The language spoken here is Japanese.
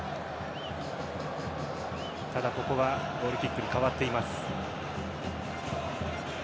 ただ、ここはゴールキックに変わっています。